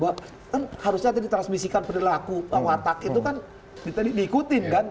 kan harusnya tadi transmisikan pendelaku pak watak itu kan diikuti kan